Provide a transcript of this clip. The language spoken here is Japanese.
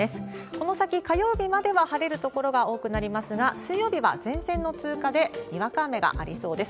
この先、火曜日までは晴れる所が多くなりますが、水曜日は前線の通過でにわか雨がありそうです。